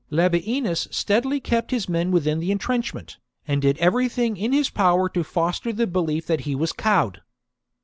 Labienus steadily kept his men within the entrenchment, and did . everything in his power to foster the belief that he was cowed.